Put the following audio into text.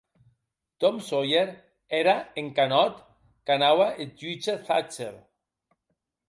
Tom Sawyer ère en canòt qu'anaue eth jutge Thatcher.